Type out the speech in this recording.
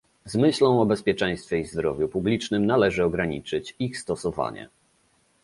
Z myślą o bezpieczeństwie i zdrowiu publicznym należy ograniczyć ich stosowanie